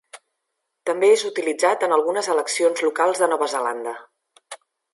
També és utilitzat en algunes eleccions locals de Nova Zelanda.